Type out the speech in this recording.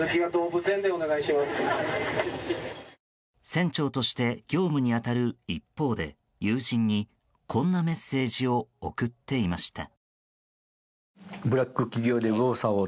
船長として業務に当たる一方で友人に、こんなメッセージを送っていました。